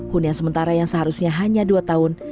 hunian sementara yang seharusnya hanya dua tahun